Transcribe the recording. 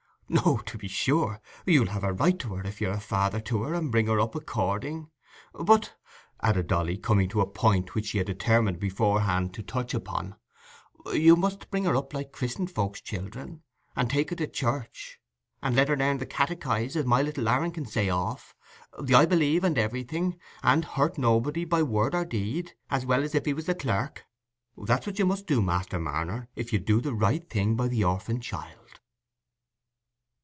"No, to be sure; you'll have a right to her, if you're a father to her, and bring her up according. But," added Dolly, coming to a point which she had determined beforehand to touch upon, "you must bring her up like christened folks's children, and take her to church, and let her learn her catechise, as my little Aaron can say off—the "I believe", and everything, and "hurt nobody by word or deed",—as well as if he was the clerk. That's what you must do, Master Marner, if you'd do the right thing by the orphin child."